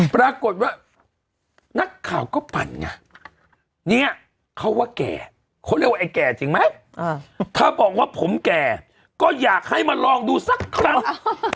ปรากฏว่านักข่าวก็ปั่นไงเนี่ยเขาว่าแก่เขาเรียกว่าไอ้แก่จริงไหมถ้าบอกว่าผมแก่ก็อยากให้มาลองดูสักครั้ง